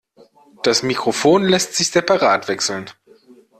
Das Mikrofon lässt sich separat wechseln.